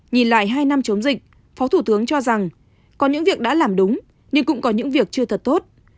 nhìn lại hai năm chống dịch phó thủ tướng cho rằng có những việc đã làm đúng nhưng cũng có những việc chưa thật tốt